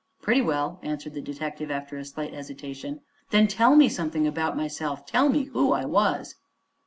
"Pretty well," answered the detective, after a slight hesitation. "Then tell me something about myself. Tell me who I was."